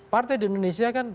partai di indonesia kan